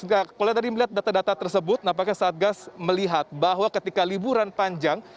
kalau tadi melihat data data tersebut nampaknya satgas melihat bahwa ketika liburan panjang